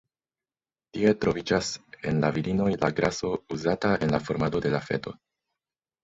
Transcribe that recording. Tie troviĝas, en la virinoj, la graso uzata en la formado de la feto.